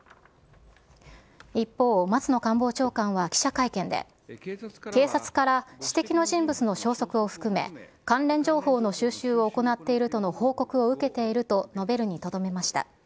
一方、松野官房長官は記者会見で、警察から指摘の人物の消息を含め、関連情報の収集を行っているとの報告を受けていると述べるにとどめました。